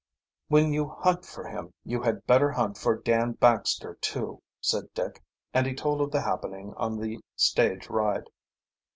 "When you hunt for him you had better hunt for Dan Baxter, too," said Dick, and he told of the happening on the stage ride.